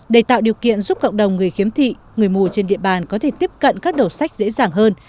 để tạo điều kiện giúp cộng đồng người khiếm thị người mù trên địa bàn có thể tiếp cận các đầu sách dễ dàng hơn